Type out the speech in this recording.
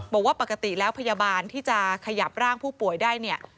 บอกว่าปกติแล้วพยาบาลที่จะขยับร่างผู้ป่วยได้เนี่ย